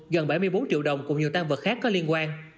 gần bảy mươi bốn triệu đồng cùng nhiều tăng vật khác có liên quan